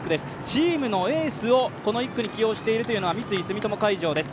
チームのエースをこの１区に起用しているというのは三井住友海上です。